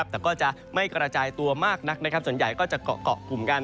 แต่ก็จะไม่กระจายตัวมากนักส่วนใหญ่ก็จะเกาะกลุ่มกัน